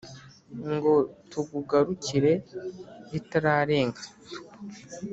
ngo tukugarukire ritararenga